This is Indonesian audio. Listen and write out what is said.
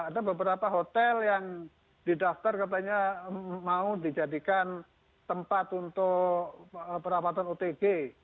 ada beberapa hotel yang didaftar katanya mau dijadikan tempat untuk perawatan otg